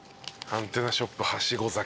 「アンテナショップはしご酒」